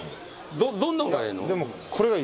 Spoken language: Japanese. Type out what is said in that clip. どんなのがええの？